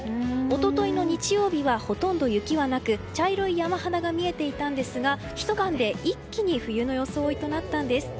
一昨日の日曜日はほとんど雪はなく茶色い山肌が見えていたんですがひと晩で一気に冬の装いとなったんです。